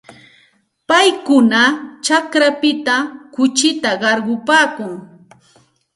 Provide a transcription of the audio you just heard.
Paykuna kaćhapita kuchita qarqupaakun.